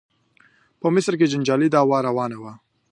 په مصر کې جنجالي دعوا روانه وه.